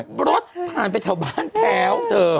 รถผ่านไปแถวบ้านแพ้ว